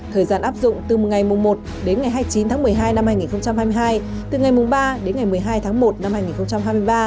thời gian áp dụng từ ngày một đến ngày hai mươi chín tháng một mươi hai năm hai nghìn hai mươi hai từ ngày ba đến ngày một mươi hai tháng một năm hai nghìn hai mươi ba